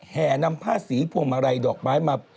แห่นำผ้าสีพวงมาลัยดอกไม้มา